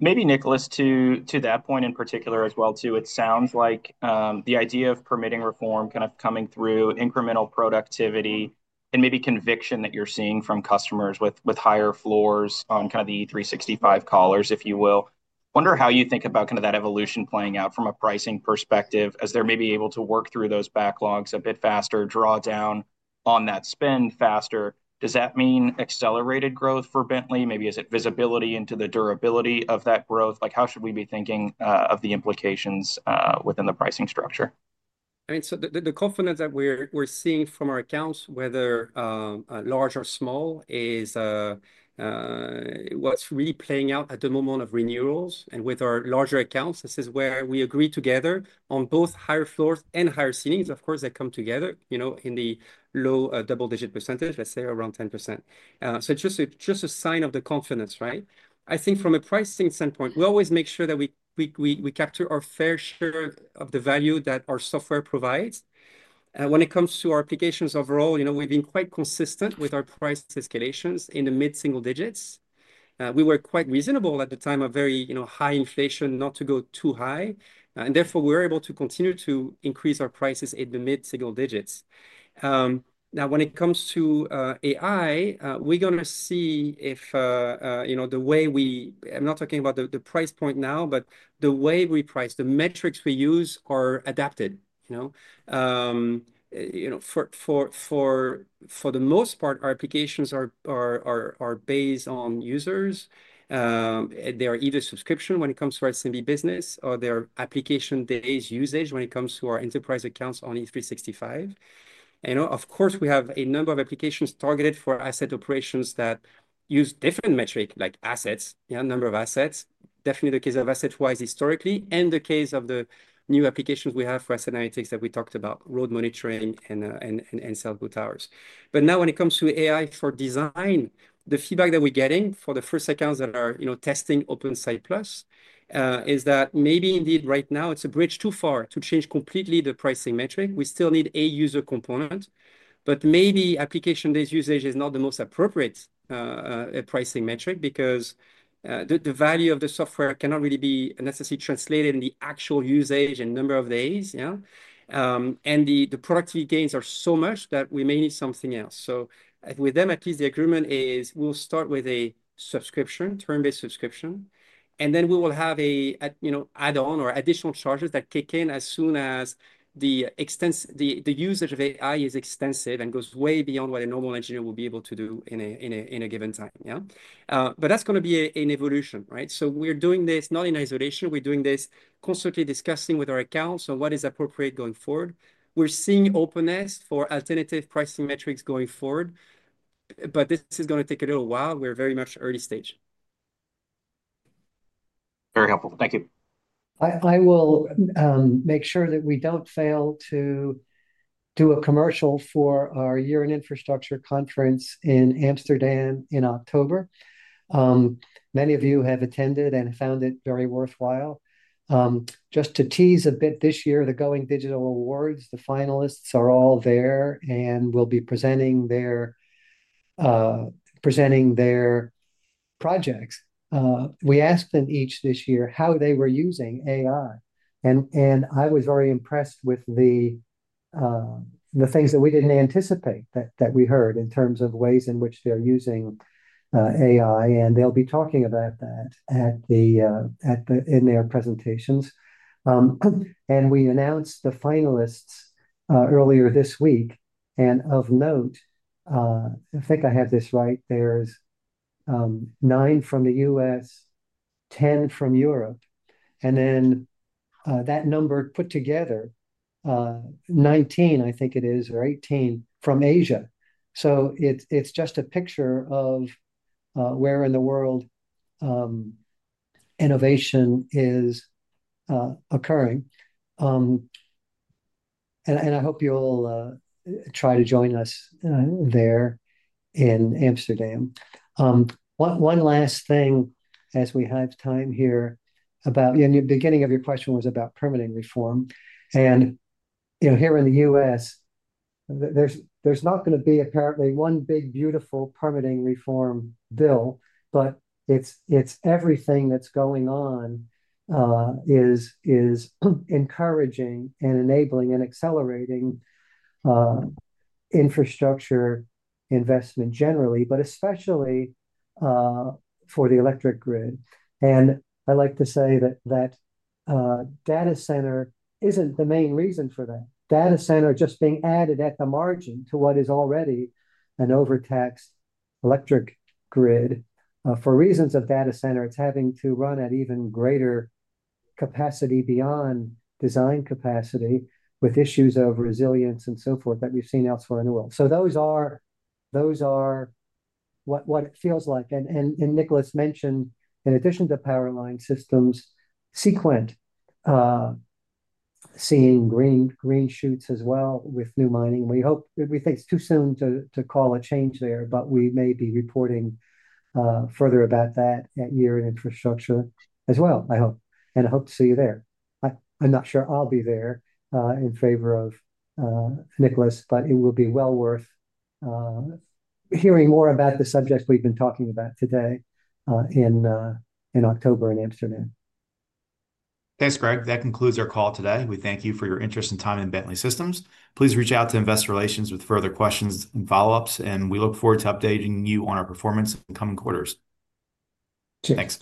Maybe Nicholas, to that point in particular as well, too. It sounds like the idea of permitting reform coming through incremental productivity and maybe conviction that you're seeing from customers with higher floors on the E365 callers, if you will. I wonder how you think about that evolution playing out from a pricing perspective as they're maybe able to work through those backlogs a bit faster, draw down on that spend faster. Does that mean accelerated growth for Bentley? Maybe is it visibility into the durability of that growth? How should we be thinking of the implications within the pricing structure? I mean, the confidence that we're seeing from our accounts, whether large or small, is what's really playing out at the moment of renewals and with our larger accounts. This is where we agree together on both higher floors and higher ceilings. Of course, they come together in the low double-digit %, let's say around 10%. It's just a sign of the confidence. Right, I think from a pricing standpoint, we always make sure that we capture our fair share of the value that our software provides. When it comes to our applications overall, we've been quite consistent with our price escalations in the mid-single digits. We were quite reasonable at the time of very high inflation not to go too high. Therefore, we were able to continue to increase our prices in the mid-single digits. Now, when it comes to AI, we're going to see if the way we—I'm not talking about the price point now—but the way we price, the metrics we use are adapted. For the most part, our applications are based on users. They are either subscription when it comes to our SMB segment or their application days usage when it comes to our enterprise accounts on E365. Of course, we have a number of applications targeted for asset operations that use different metrics, like assets, number of assets. Definitely the case of AssetWise historically and the case of the new applications we have for Asset Analytics that we talked about, road monitoring and cell towers. Now, when it comes to AI for design, the feedback that we're getting for the first accounts that are testing OpenSite+ is that maybe indeed right now it's a bridge too far to change completely the pricing metric. We still need a user component. Maybe application days usage is not the most appropriate pricing metric because the value of the software cannot really be necessarily translated in the actual usage and number of days. The productivity gains are so much that we may need something else. With them, at least the agreement is we'll start with a subscription, term-based subscription. We will have an add-on or additional charges that kick in as soon as the usage of AI is extensive and goes way beyond what a normal engineer will be able to do in a given time. Yeah, that's going to be an evolution. Right, we're doing this not in isolation. We're doing this constantly discussing with our accounts on what is appropriate going forward. We're seeing openness for alternative pricing metrics going forward. This is going to take a little while. We're very much early stage. Very helpful. Thank you. I will make sure that we don't fail to do a commercial for our Year in Infrastructure conference in Amsterdam in October. Many of you have attended and found it very worthwhile. Just to tease a bit, this year, the Going Digital Awards, the finalists are all there and will be presenting their projects. We asked them each this year how they were using AI. I was very impressed with the things that we didn't anticipate that we heard in terms of ways in which they're using AI. They'll be talking about that in their presentations. We announced the finalists earlier this week. Of note, I think I have this right. There's the nine. From the U.S., 10 from Europe, and then, that number put together, 19, I think it is, or 18 from Asia. It's just a picture of where in the world innovation is occurring. I hope you'll try to join us there in Amsterdam. One last thing as we have time here about, and the beginning of your question was about permitting reform. Here in the U.S., there's not going to be apparently one big beautiful permitting reform bill, but everything that's going on is encouraging and enabling and accelerating infrastructure investment generally, but especially for the electric grid. I like to say that data center isn't the main reason for that. Data center just being added at the margin to what is already an overtaxed electric grid, for reasons of data center, it's having to run at even greater capacity beyond design capacity with issues of resilience and so forth that we've seen elsewhere in the world. Those are what it feels like. Nicholas mentioned, in addition to Power Line Systems, Seequent seeing green shoots as well with new mining. We hope, we think it's too soon to call a change there, but we may be reporting further about that at Year in Infrastructure as well, I hope. I hope to see you there. I'm not sure I'll be there, in favor of Nicholas, but it will be well worth hearing more about the subject we've been talking about today in October in Amsterdam. Thanks, Greg. That concludes our call today. We thank you for your interest and time in Bentley Systems. Please reach out to Investor Relations with further questions and follow-ups, and we look forward to updating you on our performance in the coming quarters. Thanks.